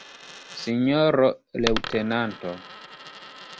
Sinjoro leŭtenanto!